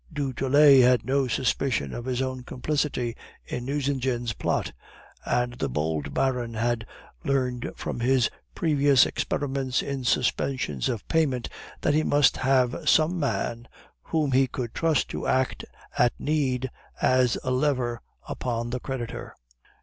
Du Tillet had no suspicion of his own complicity in Nucingen's plot; and the bold Baron had learned from his previous experiments in suspensions of payment that he must have some man whom he could trust to act at need as a lever upon the creditor.